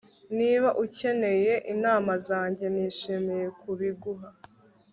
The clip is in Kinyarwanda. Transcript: Niba ukeneye inama zanjye nishimiye kubiguha